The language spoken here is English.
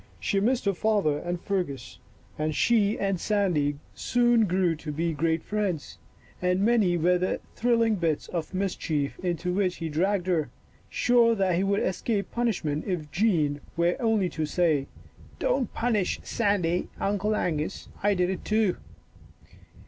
She missed her father and Fergus, but she and Sandy soon grew to be great friends, and many were the thrill ing bits of mischief into which he dragged her, sure that he would escape punishment if Jean were only to say, " Don't punish Sandy, Uncle Angus, I did it too."